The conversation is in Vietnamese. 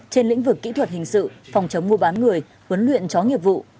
trên lĩnh vực kỹ thuật hình sự phòng chống mua bán người huấn luyện chó nghiệp vụ